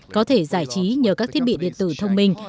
có thể giải trí nhờ các thiết bị điện tử thông minh